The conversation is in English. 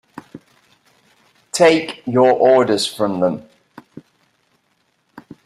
Take your orders from them.